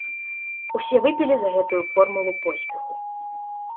Усе выпілі за гэтую формулу поспеху.